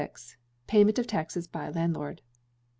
Payment of Taxes by Landlord.